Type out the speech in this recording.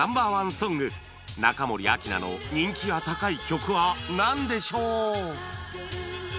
ソング中森明菜の人気が高い曲はなんでしょう？